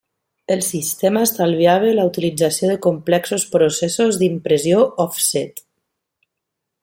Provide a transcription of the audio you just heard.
El sistema estalviava la utilització de complexos processos d'impressió òfset.